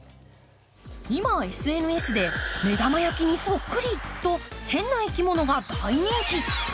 今ＳＮＳで目玉焼きにそっくりと変な生き物が大人気。